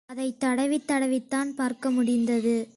அதைத் தடவித் தடவித்தான் பார்க்க முடிந்தது.